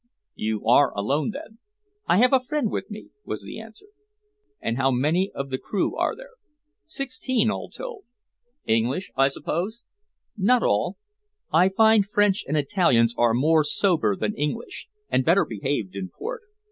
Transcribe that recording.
"You are alone, then?" "I have a friend with me," was the answer. "And how many of the crew are there?" "Sixteen, all told." "English, I suppose?" "Not all. I find French and Italians are more sober than English, and better behaved in port."